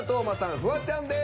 フワちゃんです。